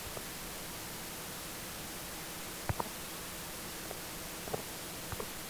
এই উদীয়মান স্পেস ভাইকিংগুলোকে দেখো।